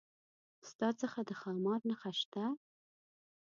ستا څخه د ښامار نخښه شته؟